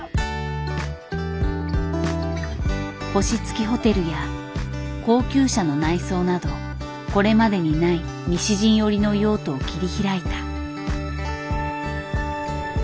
星付きホテルや高級車の内装などこれまでにない西陣織の用途を切り開いた。